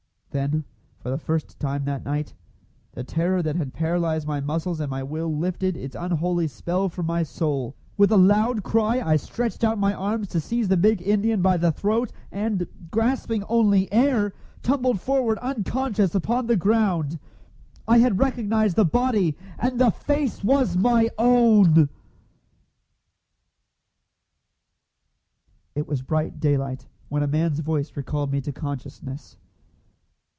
Then, for the first time that night, the terror that had paralysed my muscles and my will lifted its unholy spell from my soul. With a loud cry I stretched out my arms to seize the big Indian by the throat, and, grasping only air, tumbled forward unconscious upon the ground. I had recognised the body, and the face was my own! ... It was bright daylight when a man's voice recalled me to consciousness.